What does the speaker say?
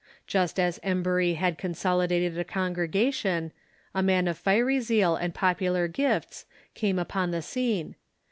Just as Emburj^ had consolidated a congrega tion, a man of fiery zeal and popular gifts came upon the scene.